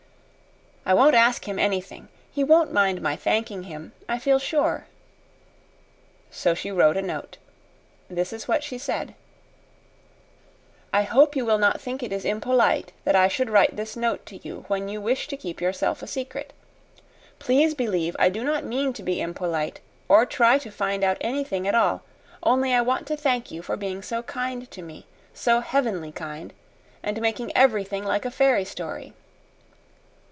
I won't ask him anything. He won't mind my thanking him, I feel sure." So she wrote a note. This is what she said: I hope you will not think it is impolite that I should write this note to you when you wish to keep yourself a secret. Please believe I do not mean to be impolite or try to find out anything at all; only I want to thank you for being so kind to me so heavenly kind and making everything like a fairy story.